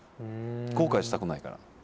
後悔したくないから。